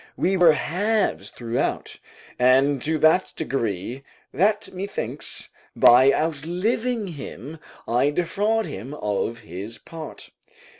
We were halves throughout, and to that degree, that methinks, by outliving him, I defraud him of his part.